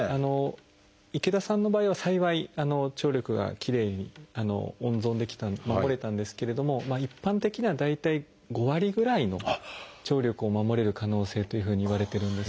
池田さんの場合は幸い聴力がきれいに温存できた守れたんですけれども一般的には大体５割ぐらいの聴力を守れる可能性というふうにいわれてるんです。